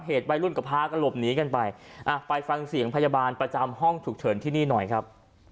วัยรุ่นก็พากันหลบหนีกันไปอ่ะไปฟังเสียงพยาบาลประจำห้องฉุกเฉินที่นี่หน่อยครับ